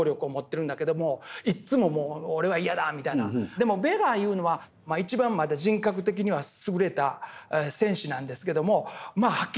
でもベガいうのは一番人格的には優れた戦士なんですけどもはっきり言ってうつ病ですよね。